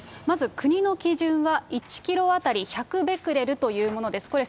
まず国の基準は１キロ当たり１００ベクレルというものです。